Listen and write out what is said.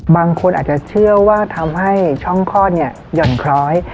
บางคนอาจจะเชื่อว่าทำให้ช่องคลอดเนี่ยหย่อนคล้อย